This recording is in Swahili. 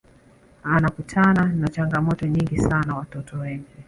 anakutana na changamoto nyingi sana watoto wengi